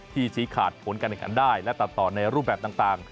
ชี้ขาดผลการแข่งขันได้และตัดต่อในรูปแบบต่าง